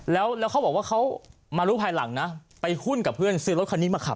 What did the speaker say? แล้วเขาบอกว่าเขามารู้ภายหลังนะไปหุ้นกับเพื่อนซื้อรถคันนี้มาขับ